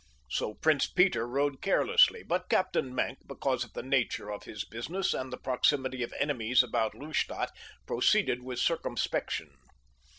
So Prince Peter rode carelessly; but Captain Maenck, because of the nature of his business and the proximity of enemies about Lustadt, proceeded with circumspection.